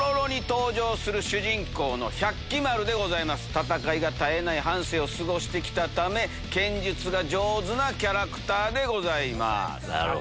戦いが絶えない半生を過ごしてきたため剣術が上手なキャラクターでございます。